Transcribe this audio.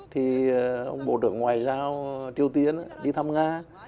thì ông bộ trưởng ngoại giao triều tiên đi thăm nga